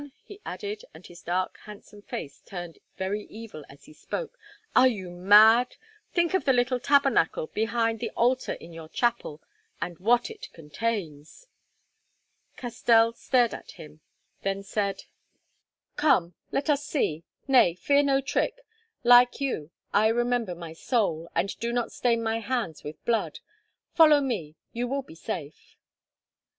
he added, and his dark, handsome face turned very evil as he spoke, "are you mad? Think of the little tabernacle behind the altar in your chapel, and what it contains." Castell stared at him, then said: "Come, let us see. Nay, fear no trick; like you I remember my soul, and do not stain my hands with blood. Follow me, so you will be safe."